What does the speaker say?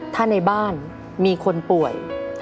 ถ้าในบ้านมีคนป่วย